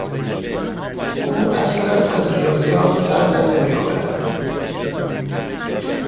او اصلا از ریاضیات سر در نمیآورد.